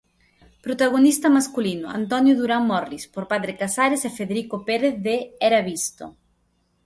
Protagonista masculino: Antonio Durán Morris por "Padre Casares" e Federico Pérez de "Era Visto!".